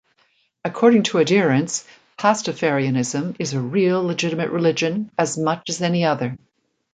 According to adherents, Pastafarianism is a "real, legitimate religion, as much as any other".